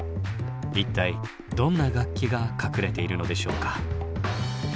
一体どんな楽器が隠れているのでしょうか。